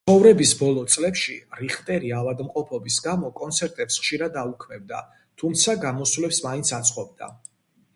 ცხოვრების ბოლო წლებში რიხტერი ავადმყოფობის გამო კონცერტებს ხშირად აუქმებდა, თუმცა გამოსვლებს მაინც აწყობდა.